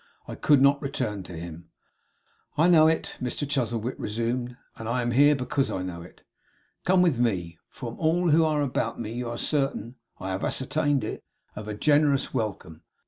'I could not return to him.' 'I know it,' Mr Chuzzlewit resumed; 'and I am here because I know it. Come with me! From all who are about me, you are certain (I have ascertained it) of a generous welcome.